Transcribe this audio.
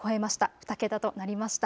２桁となりました。